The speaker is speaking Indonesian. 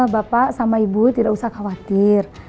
bapak sama ibu tidak usah khawatir